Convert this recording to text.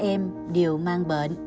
ba em đều mang bệnh